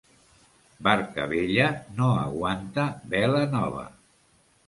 Barca vella no aguanta vela nova.